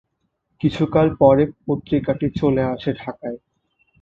কিছুকাল পরে পত্রিকাটি চলে আসে ঢাকায়।